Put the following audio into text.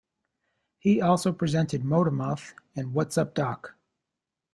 He also presented "Motormouth" and "What's Up Doc?